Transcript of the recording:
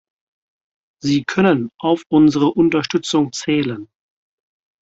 Sie können auf unsere Unterstützung zählen.